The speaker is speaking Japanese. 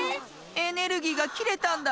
エネルギーがきれたんだ！